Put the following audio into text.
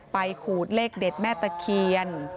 ขูดเลขเด็ดแม่ตะเคียน